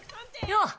よう。